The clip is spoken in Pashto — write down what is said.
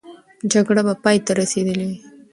جګړه به پای ته رسېدلې وي.